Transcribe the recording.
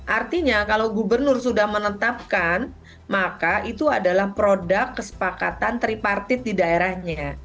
artinya kalau gubernur sudah menetapkan maka itu adalah produk kesepakatan tripartit di daerahnya